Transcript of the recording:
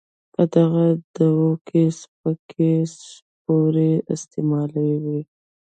په دغه دعوه کې سپکې سپورې استعمالوي.